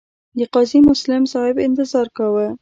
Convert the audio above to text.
د قاضي مسلم صاحب انتظار کاوه.